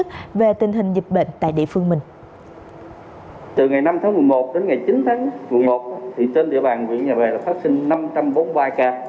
từ ngày năm tháng một mươi một đến ngày chín tháng một trên địa bàn huyện nhà bè phát sinh năm trăm bốn mươi ba ca